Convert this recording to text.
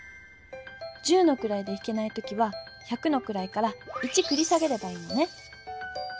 十のくらいでひけない時は百のくらいから１くり下げればいいのね。